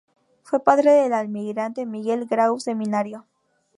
Fue padre del almirante Miguel Grau Seminario.